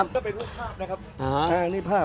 ต้องไปดูภาพนะครับนี่ภาพ